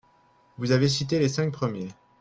Vous avez cité les cinq premiers